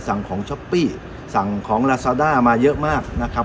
สั่งของช้อปปี้สั่งของลาซาด้ามาเยอะมากนะครับ